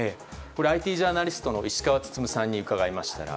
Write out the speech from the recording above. ＩＴジャーナリストの石川温さんに伺いました。